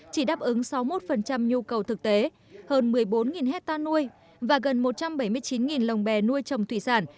chỉ đáp ứng sáu mươi một nhu cầu thực tế hơn một mươi bốn hectare nuôi và gần một trăm bảy mươi chín lồng bè nuôi trồng thủy sản